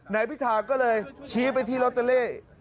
นายพิธาก็เลยชี้ไปที่ลอตเตอรี่